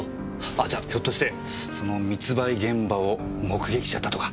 あじゃひょっとしてその密売現場を目撃しちゃったとか？